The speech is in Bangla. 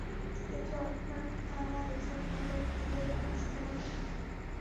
কিন্তু আপনার দ্বারা একজন হয়রান হইয়াই আসতে হলো।